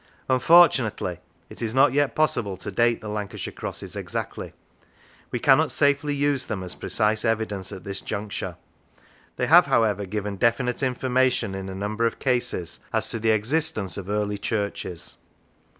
Unfortunately, as it is not yet possible to date the Lancashire crosses exactly, we cannot safely use them as precise evidence at this juncture. They have, however, given definite information in a number of cases as to the existence of early churches.